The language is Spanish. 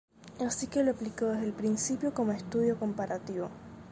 Así que lo aplicó desde el principio como estudio comparativo.